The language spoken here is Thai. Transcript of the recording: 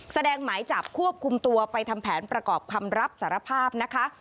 หมายจับควบคุมตัวไปทำแผนประกอบคำรับสารภาพนะคะ